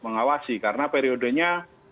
mengawasi karena periodenya